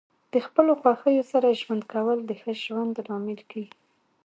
د خپلو خوښیو سره ژوند کول د ښه ژوند لامل کیږي.